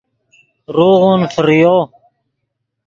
روغون فریو